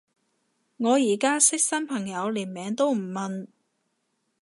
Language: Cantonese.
我而家識新朋友連名都唔問